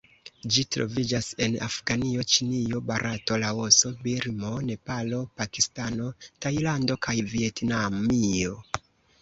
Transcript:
Ĝi troviĝas en Afganio, Ĉinio, Barato, Laoso, Birmo, Nepalo, Pakistano, Tajlando kaj Vjetnamio.